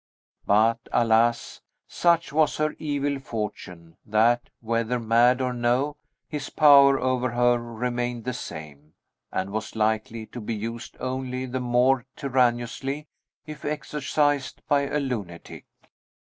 But, alas! such was her evil fortune, that, whether mad or no, his power over her remained the same, and was likely to be used only the more tyrannously, if exercised by a lunatic.